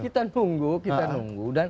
kita nunggu kita nunggu